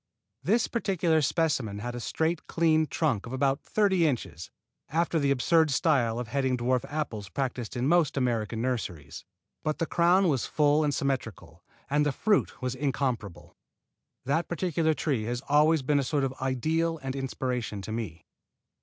This particular specimen had a straight, clean trunk of about thirty inches, after the absurd style of heading dwarf apples practised in most American nurseries. But the crown was full and symmetrical, and the fruit was incomparable. That particular tree has always been a sort of ideal and inspiration to me.